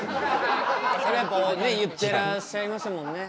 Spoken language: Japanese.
それ言ってらっしゃいましたもんね。